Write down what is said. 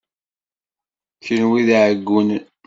Kenwi d iɛeggunen.